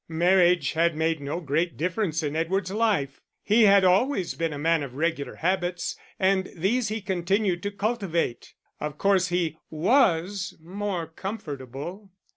Marriage had made no great difference in Edward's life. He had always been a man of regular habits, and these he continued to cultivate. Of course he was more comfortable.